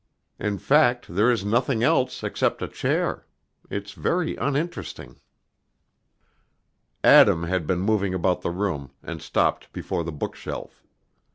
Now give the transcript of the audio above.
In fact, there is nothing else, except a chair. It's very uninteresting." Adam had been moving about the room, and stopped before the bookshelf.